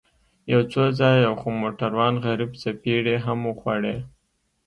يو څو ځايه خو موټروان غريب څپېړې هم وخوړې.